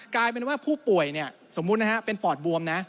กลายเป็นว่าผู้ป่วยเนี่ยสมมุตินะฮะเป็นปอดบวมนะ